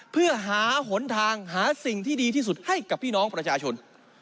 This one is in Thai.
เพื่อหาหนทางหาสิ่งที่ดีที่สุดให้กับพี่น้องประชาชน